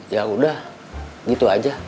ya udah gitu aja